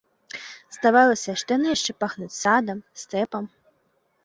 Здавалася, што яны яшчэ пахнуць садам, стэпам.